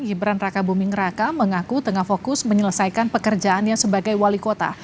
gibran raka buming raka mengaku tengah fokus menyelesaikan pekerjaannya sebagai wali kota